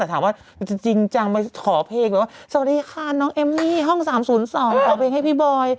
แต่ถามว่ามันจะจริงจังมาขอเพลงแบบว่าสวัสดีค่ะน้องเอมมี่ห้อง๓๐๒ขอเพลงให้พี่บอย